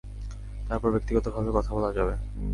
তারপর ব্যক্তিগতভাবে কথা বলা যাবে।